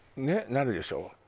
なるでしょ？